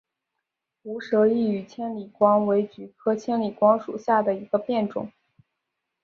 无舌异羽千里光为菊科千里光属下的一个变种。